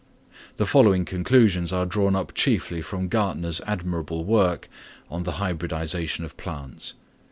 The following conclusions are drawn up chiefly from Gärtner's admirable work on the hybridisation of plants.